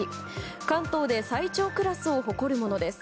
関東で最長クラスを誇るものです。